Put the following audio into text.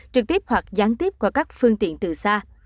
trực tiếp hoặc gián tiếp qua các phương tiện từ xa